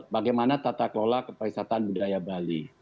bagaimana tata kelola keparisataan budaya bali